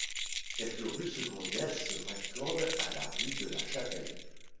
Quelques rues secondaires se raccordent à la rue de la Chapelle.